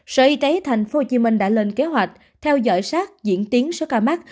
sở y tế tp hcm đã lên kế hoạch theo dõi sát diễn tiến số ca mắc